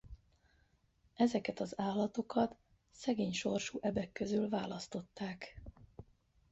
Ezeket az állatokat szegény sorsú ebek közül választották.